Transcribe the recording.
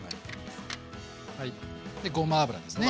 でごま油ですね。